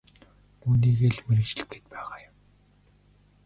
Үүнийгээ л мэргэжил гээд байгаа юм.